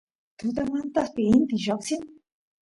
tutamantapi inti lloqsin